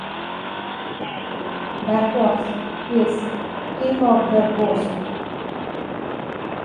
Bakwas is king of the ghosts.